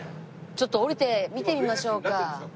ちょっと降りて見てみましょうか。